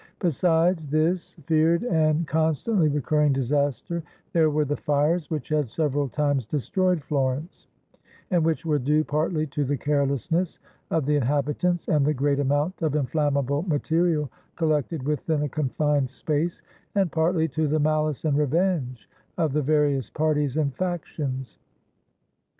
Besides this feared and con stantly recurring disaster, there were the fires which had several times destroyed Florence, and which were due partly to the carelessness of the inhabitants and the great amount of inflammable material collected within a confined space, and partly to the mahce and revenge of the various parties and factions.